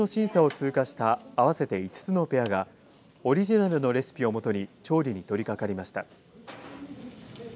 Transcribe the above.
コンテストでは事前の審査を通過した合わせて５つのペアがオリジナルのレシピをもとに調理に取り掛かりました。